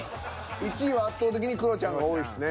１位は圧倒的にクロちゃんが多いですね。